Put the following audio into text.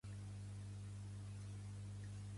Quin augment de vots ha guanyat Bukele?